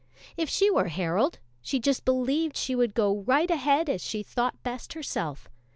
If she were Harold, she just believed she would go right ahead as she thought best herself.